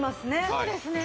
そうですね。